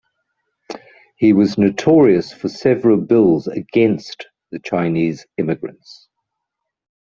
He was notorious for several bills against the Chinese immigrants.